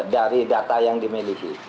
dari data yang dimiliki